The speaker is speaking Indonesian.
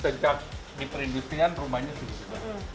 sejak di perindustrian rumahnya sudah